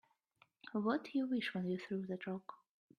What'd you wish when you threw that rock?